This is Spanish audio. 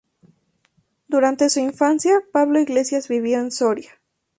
Durante su infancia, Pablo Iglesias vivió en Soria.